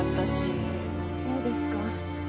そうですか。